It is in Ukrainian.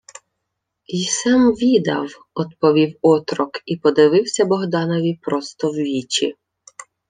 — Й се-м відав, — одповів отрок і подививсь Богданові просто в вічі.